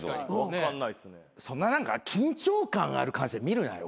そんな何か緊張感ある感じで見るなよ